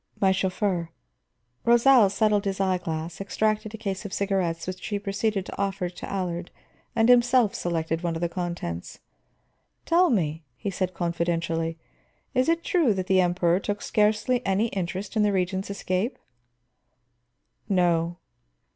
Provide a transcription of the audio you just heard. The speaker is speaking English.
"My chauffeur." Rosal settled his eye glass, extracted a case of cigarettes which he proceeded to offer to Allard, and himself selected one of the contents. "Tell me," he said confidentially, "is it true that the Emperor took scarcely any interest in the Regent's escape?" "No."